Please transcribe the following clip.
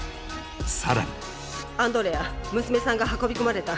さらにアンドレア娘さんが運び込まれた。